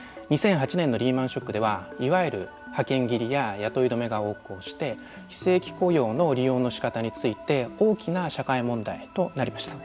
２００８年のリーマンショックではいわゆる派遣切りや雇い止めが横行して非正規雇用の利用のしかたについて大きな社会問題となりました。